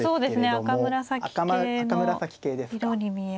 赤紫系ですか。